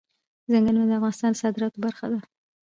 ځنګلونه د افغانستان د صادراتو برخه ده.